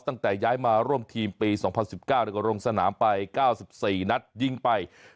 ตั้งแต่ย้ายมาร่วมทีมปี๒๐๑๙แล้วก็ลงสนามไป๙๔นัดยิงไป